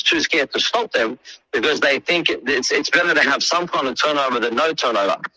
dari uang yang tidak dihantar